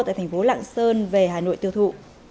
tại thành phố lạng sơn về hà nội tiêu thụ